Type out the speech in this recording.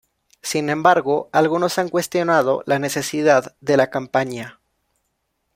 Sin embargo, algunos han cuestionado la necesidad de la campaña.